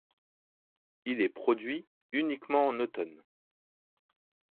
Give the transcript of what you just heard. Il est produit uniquement en automne.